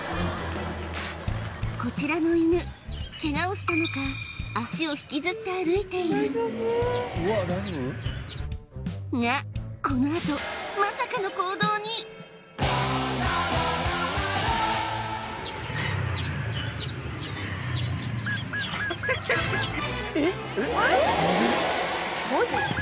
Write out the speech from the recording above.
こちらの犬ケガをしたのか足を引きずって歩いているがこのあとまさかの行動にえっマジ？